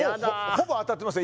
ほぼ当たってます